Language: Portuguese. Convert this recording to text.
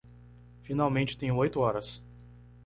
Finalmente tenho oito horas